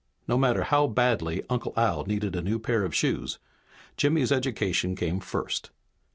No matter how badly Uncle Al needed a new pair of shoes, Jimmy's education came first.